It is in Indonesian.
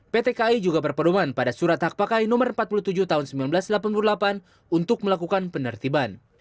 pt kai juga berperuman pada surat hak pakai no empat puluh tujuh tahun seribu sembilan ratus delapan puluh delapan untuk melakukan penertiban